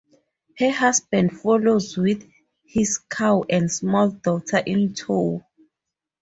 Her husband follows with his cow and small daughter in tow.